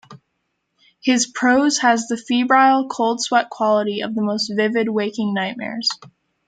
His prose has the febrile, cold-sweat quality of the most vivid waking nightmares.